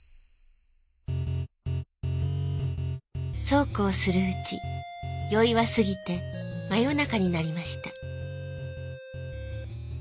「そうこうするうち宵は過ぎてま夜中になりました」。